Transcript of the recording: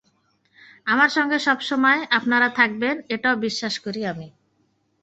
আমার সঙ্গে সব সময় আপনারা থাকবেন, এটাও বিশ্বাস করি আমি।